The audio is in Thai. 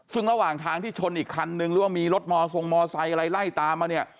ซึ่งระหว่างทางที่ชนอีกคันนึงหรือว่ามีรถมอทรงมอไซค์อะไรไล่ตามมาเนี่ย